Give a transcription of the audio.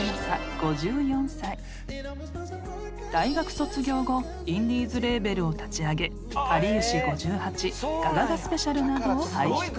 ［大学卒業後インディーズレーベルを立ち上げかりゆし５８ガガガＳＰなどを輩出］